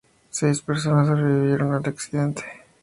Seis personas sobrevivieron al accidente.